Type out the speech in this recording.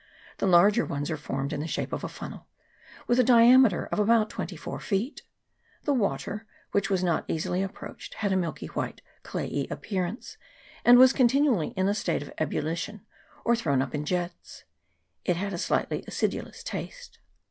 The larger ones are formed in the shape of a funnel, with a diameter of about twenty four r feet. The water, which was not easily ap proached, had a milk white, clayey appearance, and was continually in a state of ebullition, or thrown up in jets : it had a slightly acidulous taste.